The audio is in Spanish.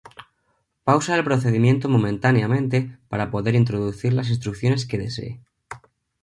Pausa el procedimiento momentáneamente para poder introducir las instrucciones que desee.